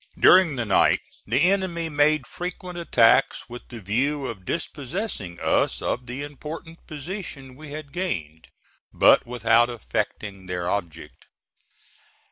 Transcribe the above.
During the night the enemy made frequent attacks with the view of dispossessing us of the important position we had gained, but without effecting their object.